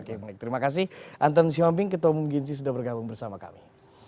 oke terima kasih anton syuamping ketua mungginsi sudah bergabung bersama kami